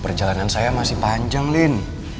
perjalanan saya masih panjang lin